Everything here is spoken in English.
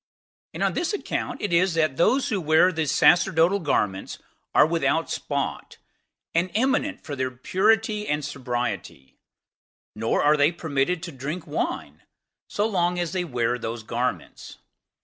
And on this account it is that those who wear the sacerdotal garments are without spot, and eminent for their purity and sobriety: nor are they permitted to drink wine so long as they wear those garments.